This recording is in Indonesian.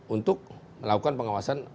untuk melakukan pengawasan